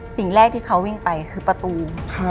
สิ่งแรกที่เขาวิ่งไปคือประตู